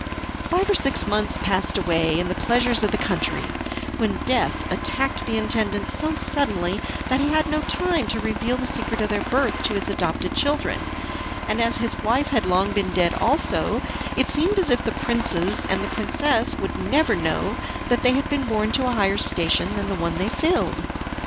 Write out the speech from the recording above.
Five or six months passed away in the pleasures of the country, when death attacked the intendant so suddenly that he had no time to reveal the secret of their birth to his adopted children, and as his wife had long been dead also, it seemed as if the princes and the princess would never know that they had been born to a higher station than the one they filled.